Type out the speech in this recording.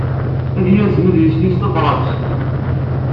Ad yazen adlis-nni s tebṛat.